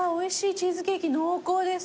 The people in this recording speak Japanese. チーズケーキ濃厚です。